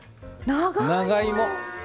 長芋。